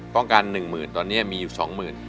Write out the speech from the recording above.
ต้องการหนึ่งหมื่นตอนนี้มีอยู่สองหมื่น